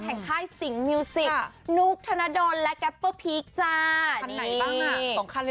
แห่งค่ายซิงค์มิวซิกนุ๊กธนดร